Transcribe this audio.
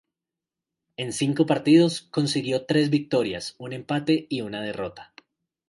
En cinco partidos, consiguió tres victorias, un empate y una derrota.